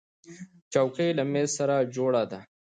چوکۍ له مېز سره جوړه ده.